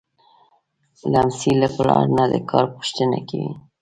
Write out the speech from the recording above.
لمسی له پلار نه د کار پوښتنه کوي.